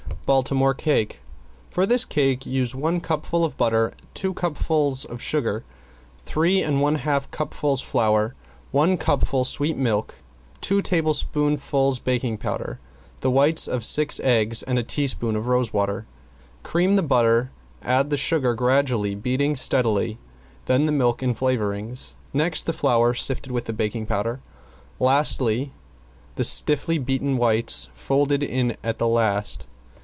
~BALTIMORE CAKE ~For this cake use one cupful butter, two cupfuls sugar, three and one half cupfuls flour, one cupful sweet milk, two teaspoonfuls baking powder, the whites of six eggs and a teaspoonful of rose water. Cream the butter, add the sugar gradually, beating steadily, then the milk and flavoring, next the flour sifted with the baking powder, and lastly the stiffly beaten whites folded in at the last.